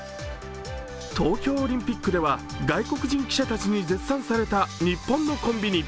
東京オリンピックでは外国人記者たちに絶賛された日本のコンビニ。